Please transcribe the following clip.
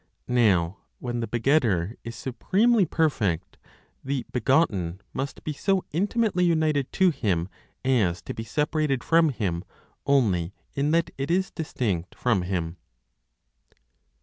Now when the begetter is supremely perfect, the begotten must be so intimately united to Him as to be separated from Him only in that it is distinct from Him.